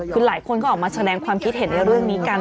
คือหลายคนก็ออกมาแสดงความคิดเห็นในเรื่องนี้กัน